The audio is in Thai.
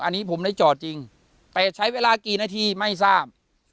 อันนี้ผมได้จอดจริงแต่ใช้เวลากี่นาทีไม่ทราบ